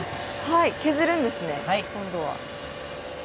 はい削るんですね今度は。